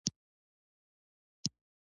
مذاکرات روان وه.